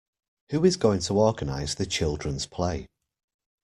Who is going to organise the children's play?